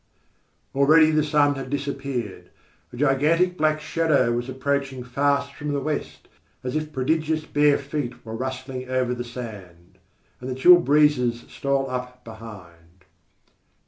Already the sun had disappeared. A gigantic black shadow was approaching fast from the west, as if prodigious bare feet were rustling over the sand. And the chill breezes stole up behind.